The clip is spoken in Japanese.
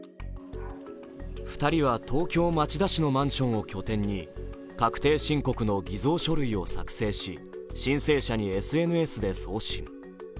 ２人は東京・町田市のマンションを拠点に確定申告の偽造書類を作成し申請者にＳＮＳで送信。